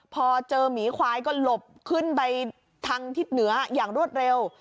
พอเจอหมีควายก็หลบขึ้นไปทางทิศเหนืออย่างรวดเร็ว